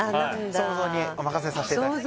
想像にお任せさせてはい想像？